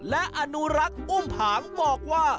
และอนุรักษ์อุ้มผางบอกว่า